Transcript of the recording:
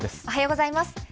おはようございます。